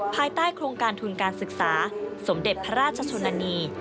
ภายใต้โครงการทุนการศึกษาสมเด็จพระราชชนนานี